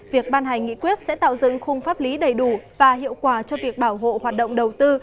việc ban hành nghị quyết sẽ tạo dựng khung pháp lý đầy đủ và hiệu quả cho việc bảo hộ hoạt động đầu tư